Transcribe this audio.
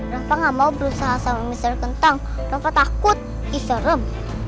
rafa gak mau berusaha sama mr kentang rafa takut iserem